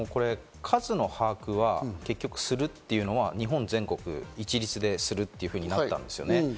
数の把握は結局するというのは日本全国一律でするというふうになったんですね。